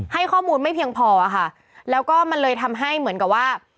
ให้ข้อมูลไม่เพียงพอค่ะแล้วก็มันเลยทำให้เหมือนกับว่า